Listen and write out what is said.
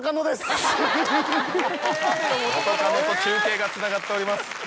元カノと中継がつながっております。